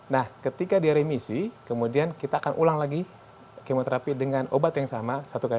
nah ketika dia remisi kemudian kita akan ulang lagi kemoterapi dengan obat yang sama